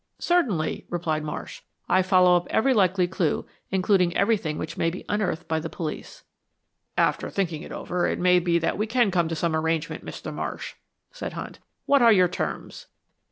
"Certainly," replied Marsh. "I follow up every likely clue, including everything which may be unearthed by the police." "After thinking it over, it may be that we can come to some arrangement, Mr. Marsh," said Hunt. "What are your terms?"